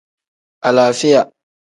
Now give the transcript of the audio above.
Alaafiya.